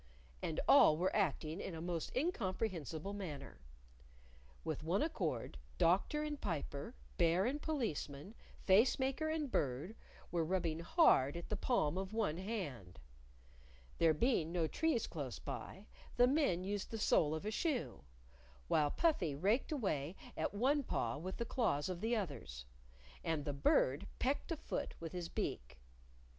And all were acting in a most incomprehensible manner. With one accord, Doctor and Piper, Bear and Policeman, Face maker and Bird, were rubbing hard at the palm of one hand. There being no trees close by, the men used the sole of a shoe, while Puffy raked away at one paw with the claws of the others, and the Bird pecked a foot with his beak.